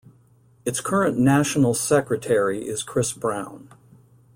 Its current National Secretary is Chris Brown.